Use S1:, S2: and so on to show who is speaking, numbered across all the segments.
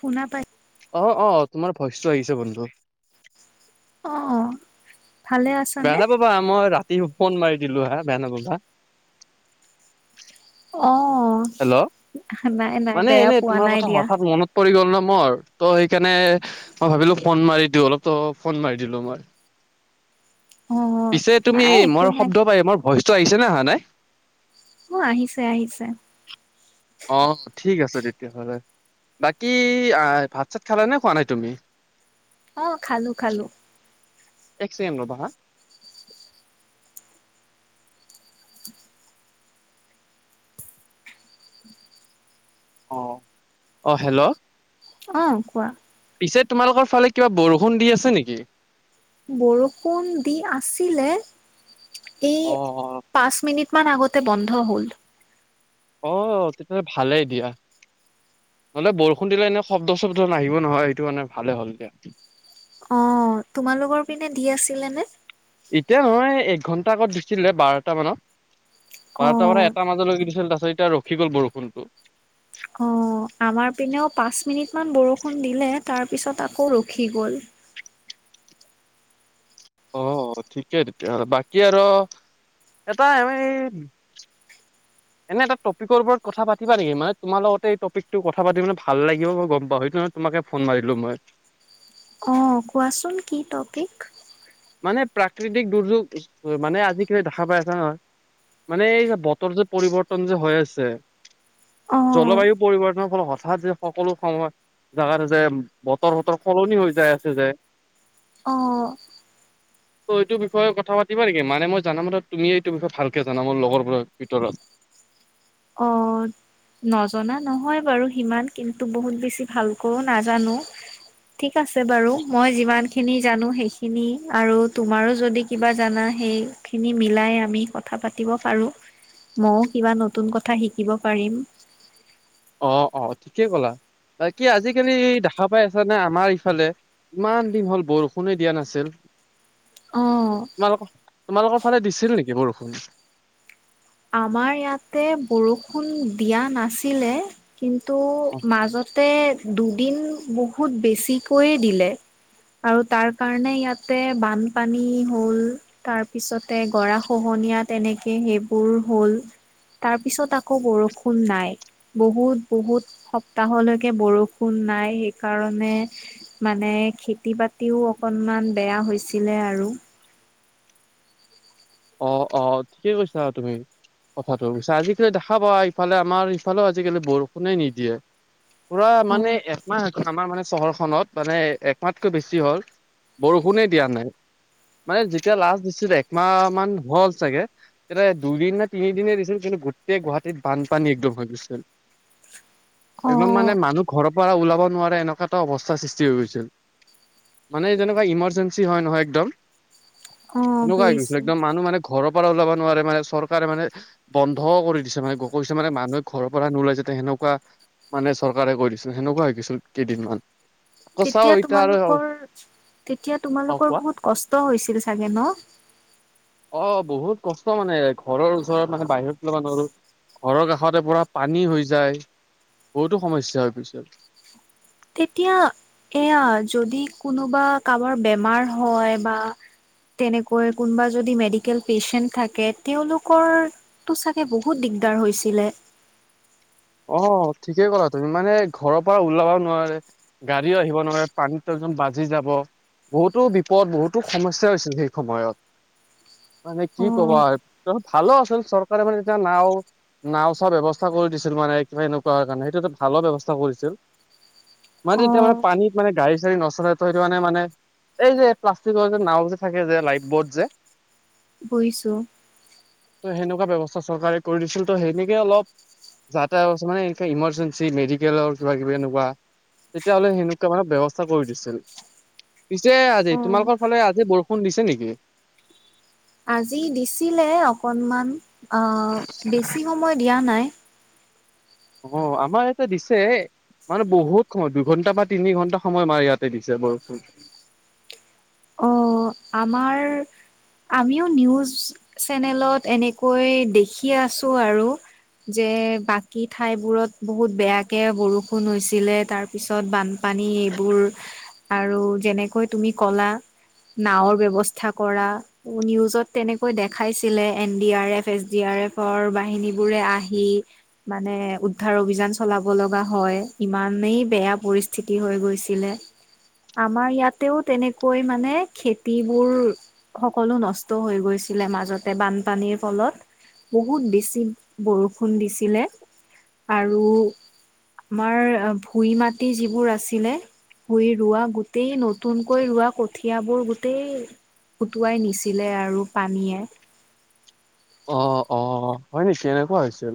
S1: শুনা পাই
S2: অহ অহ তোমাৰ ভইচটো আহিছে বন্ধু।
S1: অ' ভালে আছা
S2: বেয়া
S1: নে?
S2: নাপাবা মই ৰাতিফোন মাৰি দিলো হা বেয়া নাপাবা।
S1: অ'।
S2: হেল্ল'
S1: নাই নাই
S2: মানে
S1: বেয়া
S2: এনে
S1: পোৱা
S2: তোমাৰ
S1: নাই
S2: কথা
S1: দিয়া
S2: হঠাৎ মনত পৰি গ'ল ন ম'ৰ ত' সেইকাৰণে মই ভাবিলো ফোন মাৰি দিওঁ। অলপটো ফোন মাৰি দিলো মই।
S1: [inaudible]
S2: পিছে তুমি
S1: নাই একো
S2: ম'ৰ
S1: নাই
S2: শব্দ পাই ম'ৰ ভইচটো আহিছে নে আহা নাই?
S1: অ', আহিছে আহিছে।
S2: অ' ঠিক আছে তেতিয়াহ'লে। বাকী আহ ভাত চাত খালা নে খোৱা নাই তুমি?
S1: অ', খালোঁ খালোঁ।
S2: এক চেকেণ্ড ৰ'বা হা। অ', অ' হেল্ল'!
S1: অ' কোৱা।
S2: পিছে তোমালোকৰ ফালে কিবা বৰষুণ দি আছে নেকি?
S1: বৰষুণ দি আছিলে। এই
S2: অ', অ',
S1: পাঁচ মিনিট মান আগতে বন্ধ হ'ল।
S2: অ' তেতিয়াহ'লে ভালেই দিয়া। নহ'লে বৰষুণ দিলে এনে শব্দ চব্দ নাহিব নহয়। এইটো কাৰনে ভালে হ'ল দিয়া।
S1: অ' তোমালোকৰ পিনে দি আছিলেনে?
S2: এতিয়া নহয় এক ঘণ্টা আগত দিছিলে বাৰটা মানত।
S1: অ
S2: বাৰটা পৰা এটা মাজলৈকে দিছিল তাৰছত এতিয়া ৰখি গ'ল বৰষুণটো।
S1: অ' আমাৰ পিনেও পাঁচ মিনিট মান বৰষুণ দিলে। তাৰ পিছত আকৌ ৰখি গ'ল।
S2: অ' ঠিকে তেতিয়া হ'লে। বাকী আৰু এটা এনেই এনে এটা টপিকৰ ওপৰত কথা পাতিবা নেকি? মানে তোমাৰ লগতে এই টপিকটো কথা পাতি মানে ভাল লাগিব মই গম পাওঁ। এইটো তোমাকে ফোন মাৰিলো মই।
S1: অ', কোৱাচোন কি টপিক?
S2: মানে প্ৰাকৃতিক দুৰ্যোগ মানে আজি কালি দেখা পাই আছা নহয় মানে এই যে বতৰ যে পৰিৱৰ্তন যে হৈ আছে।
S1: অ
S2: জলবায়ু পৰিৱৰ্তনৰ ফলত হঠাৎ যে সকলো সময় জাগা এটা যে বতৰ - সতৰ সলনি হৈ যাই আছে যে -
S1: অ'।
S2: তো এইটো বিষয়ে কথা পাতিবা নেকি? মানে মই জানামতে তুমি এইটো বিষয়ে ভালকে জানা মোৰ লগৰবোৰৰ ভিতৰত।
S1: অ'। নজনা নহয় বাৰু সিমান। কিন্তু বহুত বেছি ভালকৈও নাজানো। ঠিক আছে বাৰু মই যিমান - খিনি জানো সেইখিনি আৰু তোমাৰো যদি কিবা জানা সেইখিনি মিলাই আমি [unintelligible] কথা পাতিব পাৰো, মই কিবা নতুন কথা শিকিব পাৰিম।
S2: অ', অ', ঠিকেই ক'লা। বাকী আজিকালি দেখা পাই আছানে আমাৰ ইফালে - ইমান দিন হ'ল বৰষুণে দিয়া নাছিল।
S1: অ',
S2: তোমালোক তোমালোকৰ ফালে দিছিল নেকি বৰষুণ?
S1: আমাৰ ইয়াতে বৰষুণ দিয়া নাছিলে - কিন্তু মাজতে দুদিন বহুত বেছিকৈয়ে দিলে। আৰু তাৰ কাৰণে ইয়াতে বানপানী হ'ল - তাৰ পিছতে গৰাখহনীয়া তেনেকে সেইবোৰ হ'ল। তাৰ পিছত আকৌ বৰষুণ নাই। বহুত বহুত সপ্তাহলৈকে বৰষুণ নাই। হেই কাৰণে মানে খেতি বাতিও অকণমান বেয়া হৈছিলে আৰু -
S2: অ অ ঠিকে কৈছা তুমি - কথাটো আজিকালি দেখা পা ইফালে আমাৰ ইফালেও আজিকালি বৰষুণে নিদিয়ে। পুৰা মানে এক আমাৰ আমাৰ মানে চহৰখনত মানে একমাতকৈ বেছি হ'ল বৰষুণে দিয়া নাই। মানে যেতিয়া লাষ্ট দিছিলে একমাহ মান হ'ল চাগে। এয়াতে দুইদিন নে তিনিদিনে দিছিল কিন্তু গোটেই গুৱাহাটীত বানপানী একদম হৈ গৈছিল।
S1: অ
S2: একদম মানে মানুহ ঘৰৰ পৰা ওলাব নোৱাৰে এনেকুৱা এটা অৱস্থাৰ সৃষ্টি হৈ গৈছিল। মানে যেনেকুৱা ইমাৰজেঞ্চি হয় নহয় একদম
S1: অ
S2: তেনেকুৱাই গৈছে
S1: বুজিছো
S2: মানুহ মানে ঘৰৰ পৰা ওলাব নোৱাৰে মানে চৰকাৰে মানে - বন্ধ কৰি দিছে মানে গ কৈছে মানে ঘৰৰ পৰা নোলাই যাতে সেনেকুৱা - মানে চৰকাৰে কৈ দিছিল সেনকুৱা হৈ গিছিল কেইদিনমান। আকৌ চাও
S1: তেতিয়া
S2: এতিয়া আৰু
S1: তোমালোকৰ তেতিয়া
S2: অ
S1: তোমালোকৰ
S2: কোৱা
S1: বহুত কষ্ট হৈছিল চাগে ন'?
S2: অ' বহুত কষ্ট মানে ঘৰৰ ওচৰত মানে বাহিৰত উলাবা নোৱাৰো। ঘৰৰ কাষতে পোৰা পানী হৈ যায় বহুতো সমস্যা হৈ পৰিছে
S1: তেতিয়া এয়া যদি কোনোবা কাবাৰ বেমাৰ হয় বা তেনেকৈ কোনোবা যদি মেডিকেল পেচেন্ট থাকে তেলোকৰ টো চাকে বহুত দিগদাৰ হৈছিলে।
S2: অঁ ঠিকে ক'লা তুমি মানে ঘৰৰ পৰা ওলাবা নোৱাৰে। গাড়ীও আহিব নোৱাৰে পানীত [unintelligible] বাজি যাব। বহুতো বিপদ বহুতো সমস্যা হৈছিল সেই সময়ত। মানে কি ক'বা
S1: অ',
S2: ভালো আছিল চৰকাৰে মানে তেতিয়া নাওঁ নাওঁ চাওঁ ব্যৱস্থা কৰি দিছিল মানে কিবা এনেকুৱা কাৰণে, সেইটো এটা ভালো ব্যৱস্থা কৰিছিল। মানে এতিয়া মানে
S1: অ',
S2: পানীত মানে গাড়ী চাড়ী নচলে ত' সেইটো কাৰণে মানে এই যে প্লাষ্টিকৰ যে নাওঁ যে থাকে যে লাইফ বৰ্ড যে
S1: বুইছোঁ।
S2: ত' সেনেকুৱা ব্যৱস্থা চৰকাৰে কৰি দিছিল ত' সেনেকে অলপ যাতেও মানে এনেকুৱা ইমাৰ্জেঞ্চি মেডিকেলৰ কিবা কিবি এনেকুৱা তেতিয়া হ'লে সেনেকুৱা মানে ব্যৱস্থা কৰি দিছিল। পিছে আজি
S1: অ',
S2: তোমালোকৰ ফালে আজি বৰষুণ দিছে নেকি?
S1: আজি দিছিলে অকনমান অঁ বেছি সময় দিয়া নাই।
S2: অঁ আমাৰ ইয়াতে দিছে মানে বহুত সময়, দুঘণ্টা বা তিনি ঘণ্টা সময় মান ইয়াতে দিছে বৰষুণ।
S1: অ', আমাৰ আমিও নিউজ চেনেলত এনেকৈ দেখি আছো আৰু যে বাকী ঠাইবোৰত বহুত বেয়াকে বৰষুণ হৈছিলে তাৰ পিছত বানপানী এইবোৰ আৰু যেনেকৈ তুমি ক'লা নাওঁৰ ব্যৱস্থা কৰা নিউজত তেনেকৈ দেখাইছিলে N D R F, S D R এফৰ বাহিনী বোৰে আহি মানে উদ্ধাৰ অভিযান চলাব লগা হয় ইমানেই বেয়া পৰিস স্থিতি হৈ গৈছিলে আমাৰ ইয়াতেও তেনেকৈ মানে খেতিবোৰ সকলো নষ্ট হৈ গৈছিলে মাজতে বানপানীৰ ফলত। বহুত বেছি বৰষুণ দিছিলে আৰু আমাৰ ভুই মাটি যিবোৰ আছিলে ভূই ৰোৱা, গোটেই নতুন কৈ ৰোৱা কঠীয়া বোৰ গোটেই উুটুৱাই নিছিলে আৰু পানীয়ে।
S2: অ অ হয় নেকি এনেকুৱা হৈছিল।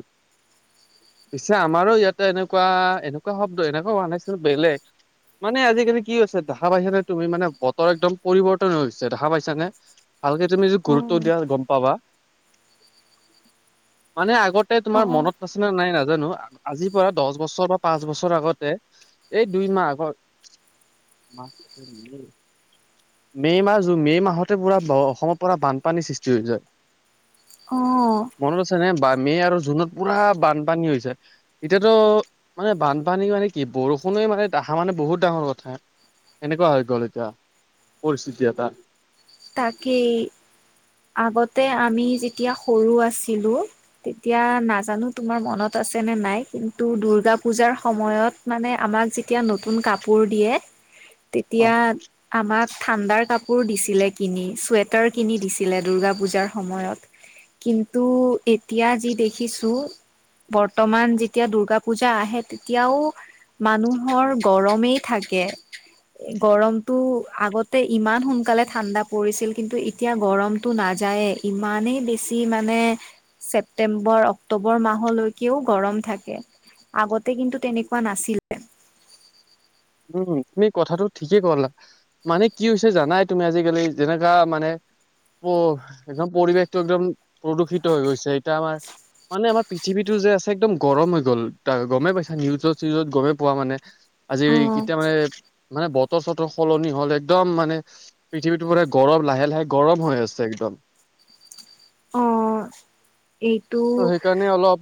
S2: পিছে আমাৰো ইয়াতে এনেকুৱা এনেকুৱা শব্দ এনেকুৱা হোৱা নাছিলে বেলেগ মানে আজিকালি কি হৈছে দেখা পাইচানে তুমি মানে বতৰ একদম পৰিৱৰ্তন হৈ গৈছে দেখা পাইছানে? ভালকে তুমি যদি গুৰুত্ব দিয়া গম পাবা মানে আগতে তোমাৰ মনত আছে নে নাই নাজানো, আজিৰ পৰা দহ বছৰ বা পাঁচ বছৰ আগতে এই দুই মাহ আগত মে মাহ মে মাহতে পুৰা অসমৰ পৰা বানপানীৰ সৃষ্টি হৈ যায়।
S1: অ।
S2: মনত আছে নে বা মে' আৰু জুনত পুৰা বানপানী হৈছে। এতিয়াতো মানে বানপানী মানে কি বৰষুণে মানে আহা মানে বহুত ডাঙৰ কথা। এনেকুৱা হৈ গ'ল এতিয়া পৰিস্থিতি এটা।
S1: তাকেই আগতে আমি যেতিয়া সৰু আছিলো তেতিয়া নাজানো তোমাৰ মনত আছে নে নাই কিন্তু দূৰ্গা পূজাৰ সময়ত মানে আমাক যেতিয়া নতুন কাপোৰ দিয়ে
S2: অ
S1: তেতিয়া আমাক ঠাণ্ডাৰ কাপোৰ দিছিলে। কিনি, চুৱেটাৰ কিনি দিছিলে দূৰ্গা পূজাৰ সময়ত। কিন্তু এতিয়া যি দেখিছো বৰ্তমান যেতিয়া দূৰ্গা পূজা আহে তেতিয়াও মানুহৰ গৰমেই থাকে। গৰমটো আগতে ইমান সোনকালে ঠাণ্ডা পৰিছিল কিন্তু এতিয়া গৰমতটো নাযায়েই, ইমানেই বেছি মানে ছেপ্তেম্বৰ অক্টোবৰ মাহলৈকেও গৰম থাকে। আগতে কিন্তু তেনেকুৱা নাছিলে।
S2: উম, তুমি কথাটো ঠিকেই ক'লা। মানে কি হৈছে জানাই তুমি আজিকালি, যেনেকা মানে প একদম পৰিৱেশটো একদম প্ৰদূষিত হৈ গৈছে, এতিয়া আমাৰ মানে আমাৰ পৃথিৱীটো যে আছে একদম গৰম হৈ গ'ল, ত' গমেই পাইছা নিউজত-চিউজত গমেই পোৱা মানে। আজি
S1: অ
S2: কেতিয়া মানে, মানে বতৰ-চতৰ সলনি হ'ল, একদম মানে পৃথিৱীটো গৰম, লাহে লাহে গৰম হৈ আছে একদম।
S1: অ এইটো
S2: মানে অলপ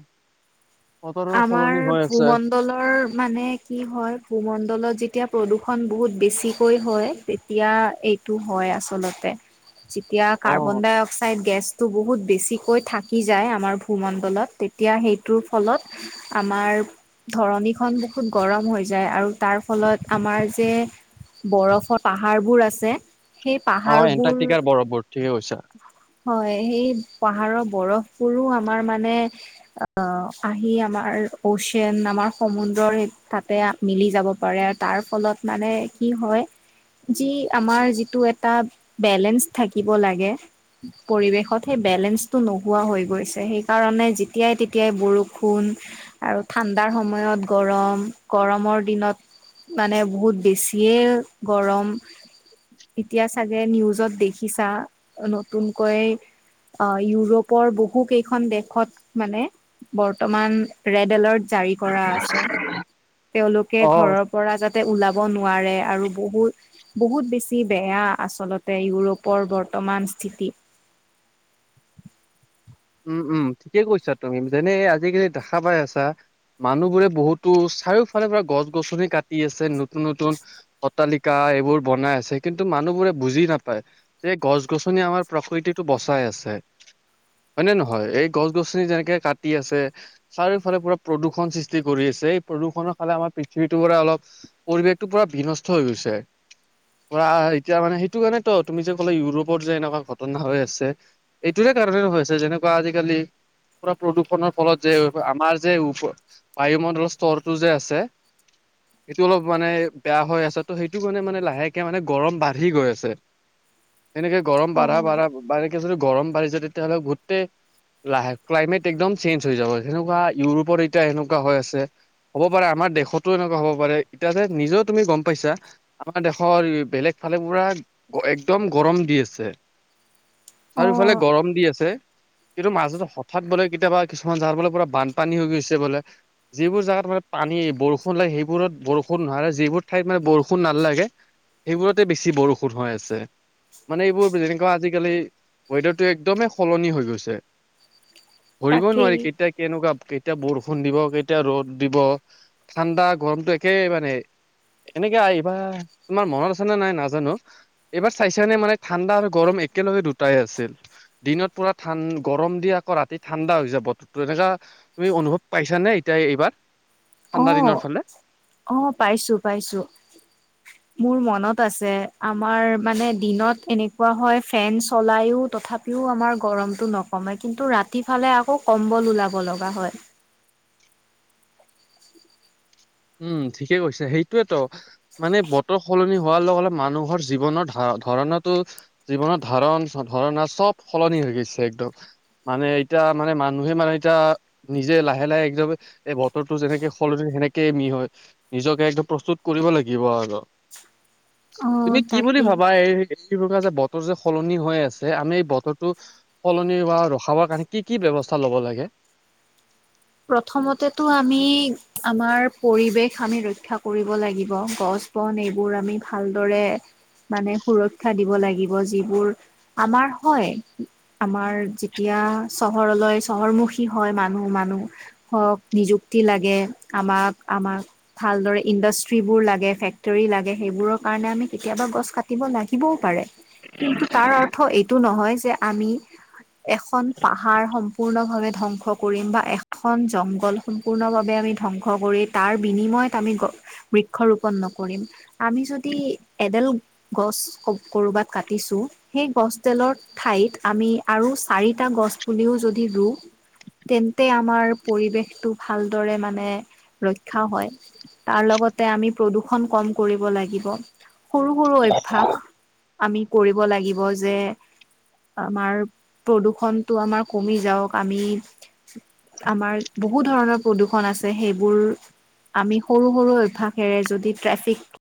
S2: বতৰৰ
S1: আমাৰ
S2: সলনি হৈ আছে
S1: ভূমন ণ্ডলৰ মানে কি হয়, ভূমণ্ডলত যেতিয়া প্ৰদূষণ বহুত বেছিকৈ হয় তেতিয়া এইটো হয় আচলতে, যেতিয়া
S2: অ
S1: কাৰ্বন ডাই অক্সাইড গেছ টো বহুত বেছিকৈ থাকি যায় আমাৰ, ভূমণ্ডলত তেতিয়া সেইটোৰ ফলত আমাৰ ধৰণিখন বহুত গৰম হৈ যায় আৰু তাৰ ফলত আমাৰ যে বৰফৰ পাহাৰবোৰ আছে সেই
S2: অ
S1: পাহাৰবোৰ
S2: এণ্টাৰ্টিকাৰ বৰফবোৰ, ঠিকে কৈছা।
S1: হয় সেই পাহাৰৰ বৰফবোৰো আমাৰ মানে অ আহি আমাৰ অচিয়ান আমাৰ সমুদ্ৰৰ তাতে মিলি যাব পাৰে। তাৰ ফলত মানে কি হয় যি আমাৰ যিটো এটা বেলেন্স থাকিব লাগে পৰিৱেশত সেই বেলেঞ্চটো নোহোৱা হৈ গৈছে, সেইকাৰণে যেতিয়াই তেতিয়াই বৰষুণ আৰু ঠাণ্ডাৰ সময়ত গৰম, গৰমৰ দিনত মানে বহুত বেছিয়ে গৰম এতিয়া চাগে নিউজত দেখিছা, নতুনকৈ অ', ইউৰোপৰ বহু কেইখন দেশত মানে বৰ্তমান, ৰেড এলাৰ্ট জাৰি কৰা আছে, তেওঁলোকে
S2: অ
S1: ঘৰৰ পৰা যাতে ওলাব নোৱাৰে আৰু বহুত বহুত বেছি বেয়া আচলতে, ইউৰোপৰ বৰ্তমান স্থিতি।
S2: উম উম থিকেই কৈছা তুমি যেনে আজিকালি দেখা পাই আছা মানুহবোৰে বহুতো, চাৰিওফালৰ পৰা গছ গছনি কাটি আছে নতুন নতুন অট্টালিকা এইবোৰ বনাই আছে, কিন্তু মানুহ বোৰে বুজি নাপায়। যে গছ-গছনিয়ে আমাৰ প্ৰকৃতিটো বচাই আছে। হয়নে নহয়, এই গছ-গছনি যেনেকে কাটি আছে চাৰিওফালে পুৰা প্ৰদূষণ সৃষ্টি কৰি আছে, এই প্ৰদূষণৰ ফালত আমাৰ পৃথিৱীটোৰ পৰা অলপ পৰিৱেশটো পুৰা বিনষ্ট হৈ গৈছে। অ' আ এতিয়া মানে সেইটো কাৰণেতো, তুমি যে ক'লা ইউৰোপত যে এনেকুৱা ঘটনা হৈ আছে। এইটোৰে কাৰণে হৈছে, যেনেকুৱা আজিকালি পুৰা প্ৰদূষণৰ ফলত যে আমাৰ যে বায়ুমণ্ডলৰ স্তৰটো যে আছে সেইটো অলপ মানে, বেয়া হৈ আছে ত' সেইটো কাৰণে মানে লাহেকে মানে গৰম বাঢ়ি গৈ আছে।
S1: [inaudible]
S2: তেনেকে গৰম বাঢ়া, বাঢ়া বা এনেকে যদি, গৰম বাঢ়িছে, তেতিয়াহ'লে গোট কেই লাহে ক্লাইমেট একদম চেঞ্জ হৈ যাব, যেনেকুৱা ইউৰোপত এতিয়া এনেকুৱা হৈ আছে। হ'ব পাৰে, আমাৰ দেশতো এনেকুৱা হ'ব পাৰে, এতিয়া যে নিজেও তুমি গম পাইছা। আমাৰ দেশৰ বেলেগ ফালৰ পৰা একদম গৰম দি আছে। চাৰিওফালে
S1: অ'
S2: গৰম দি আছে কিন্তু মাজত হঠাৎ বোলে কেতিয়াবা কিছুমান যাৰ, বোলে পুৰা বানপানী হৈ গৈছে বোলে যিবোৰ জাগাত মানে পানী বৰষুণ লাগে, সেইবোৰত বৰষুণ নহয়, যিবোৰ ঠাইত মানে বৰষুণ নালাগে সেইবোৰতে বেছি বৰষুণ হৈ আছে। মানে এইবোৰ যেনেকুৱা আজিকালি ৱেডাৰটো একদমেই সলনি হৈ গৈছে ধৰিব
S1: তাকেই।
S2: নোৱাৰি কেতিয়া কেনেকুৱা কেতিয়া বৰষুণ দিব কেতিয়া ৰ'দ দিব। ঠাণ্ডা গৰমতটো একে মানে। এনেকে আহিবা তোমাৰ মনত আছে নে নাই নাজানো। এইবাৰ চাইছা নে মানে ঠাণ্ডা আৰু গৰম একেলগে দুটাই আছিল দিনত পুৰা ঠাণ গৰম দি আকৌ ৰাতি ঠাণ্ডা হৈ যায় বতৰটো এনেকুৱা তুমি অনুভৱ পাইছা নে এতিয়া এইবাৰ। ঠাণ্ডা দিনৰ
S1: অ'
S2: ফালে?
S1: অ' পাইছোঁ পাইছোঁ। মোৰ মনত আছে আমাৰ মানে দিনত এনেকুৱা হয় ফেন চলাইয়ো তথাপি উম আমাৰ গৰমটো নকমে কিন্তু ৰাতি ফালে আকৌ কম্বল ওলাব লগা হয়
S2: উম ঠিকে কৈছে সেইটোৱেতো। মানে বতৰ সলনি হোৱাৰ লগ লগে মানুহৰ জীৱনৰ ধ ধাৰণাটো জীৱনৰ‌ ধাৰণ ধাৰণা চব সলনি হৈ গৈছে একদম। মানে এতিয়া মানে মানুহে মানে এতিয়া নিজে লাহে লাহে একদম এই বতৰটো যেনেকে সলনি হয় সেনেক কে হয় নিজকে একদম প্ৰস্তুত কৰিব লাগিব আৰু। তুমি
S1: অ'
S2: কি বুলি
S1: তাকেই।
S2: ভাবা এই কি বুলি কয় বতৰ যে সলনি হৈ আছে আমি এই বতৰটো সলনি বা ৰখাবৰ কাৰণে কি কি ব্যৱস্থা ল'ব লাগে।
S1: প্ৰথমতেতো আমি আমি আমাৰ পৰিৱেশ আমি ৰক্ষা কৰিব লাগিব গছ-বন এইবোৰ আমি ভালদৰে মানে সুৰক্ষা দিব লাগিব যিবোৰ আমাৰ হয়। আমাৰ যেতিয়া চহৰলৈ চহৰমুখী হয় মানুহ মানুহ ধৰক নিযুক্তি লাগে আমাক আমাক ভালদৰে ইণ্ডাষ্ট্ৰিবোৰ লাগে, ফেক্টৰী লাগে সেইবোৰৰ কাৰণে আমি কেতিয়াবা গছ কাটিব লাগিবও পাৰে। কিন্তু তাৰ অৰ্থ এইটো নহয় যে আমি এখন পাহাৰ সম্পূৰ্ণভাবে ধ্বংস কৰিম বা এ এখন জংগল সম্পূৰ্ণভাৱে আমি ধ্বংস কৰি তাৰ বিনিময়ত আমি বৃক্ষ ৰোপন নকৰিম আমি যদি এডাল গছ কৰবাত কাটিছো সেই গছ ডালৰ ঠাইত আমি আৰু চাৰিটা গছ পুলিও যদি ৰুওঁ তেন্তে আমাৰ পৰিৱেশটো ভালদৰে মানে ৰক্ষা হয়। তাৰ লগতে আমি প্ৰদূষণ কম কৰিব লাগিব। সৰু সৰু অভ্যাস আমি কৰিব লাগিব যে আমাৰ প্ৰদূষণতটো আমাৰ কমি যাওক আমি আমাৰ বহু ধৰণৰ প্ৰদূষণ আছে সেইবোৰ আমি সৰু সৰু অভ্যাসেৰে যদি ট্ৰেফিক